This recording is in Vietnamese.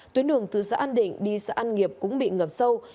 tuyến đường từ xã an định đi xã an nghiệp cũng bị ngập sâu